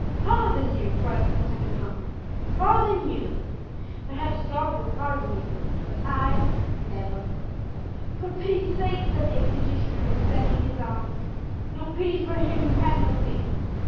"Pardon you!" cried the pretended monk, "pardon you! Perhaps God will pardon you, but I, never!" "For pity's sake," said the executioner, extending his arms. "No pity for him who had no pity!